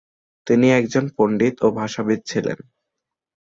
তিনি একজন পণ্ডিত ও ভাষাবিদ ছিলেন।